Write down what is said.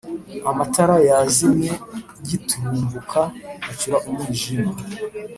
amatara yazimye giturumbuka hacura umwijima.